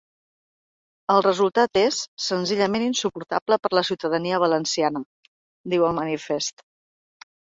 El resultat és, senzillament, insuportable per a la ciutadania valenciana, diu el manifest.